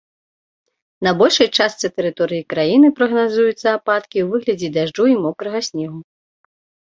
На большай частцы тэрыторыі краіны прагназуюцца ападкі ў выглядзе дажджу і мокрага снегу.